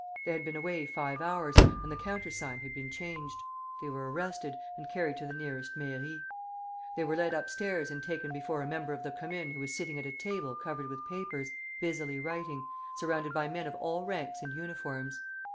They had been away five hours, and the countersign had been changed. They were arrested, and carried to the nearest mairie. They were led upstairs and taken before a member of the Commune who was sitting at a table covered with papers, busily writing, surrounded by men of all ranks and uniforms.